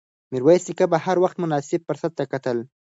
میرویس نیکه به هر وخت مناسب فرصت ته کتل.